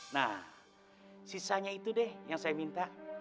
nah sisanya itu deh yang saya minta